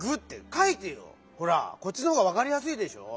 ほらこっちのほうがわかりやすいでしょ？